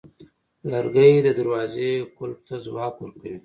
لرګی د دروازې قلف ته ځواک ورکوي.